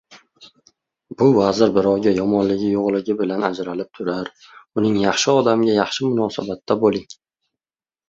Bu vazir birovga yomonligi yoʻqligi bilan ajralib turar, uning “Yaxshi odamga yaxshi munosabatda boʻling